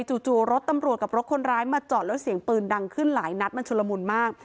จู่รถตำรวจกับรถคนร้ายมาจอดแล้วเสียงปืนดังขึ้นหลายนัดมันชุลมุนมาก